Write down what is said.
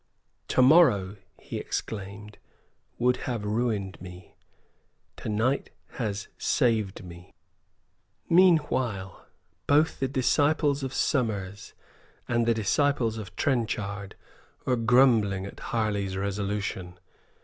"To morrow," he exclaimed, "would have ruined me. To night has saved me." Meanwhile, both the disciples of Somers and the disciples of Trenchard were grumbling at Harley's resolution.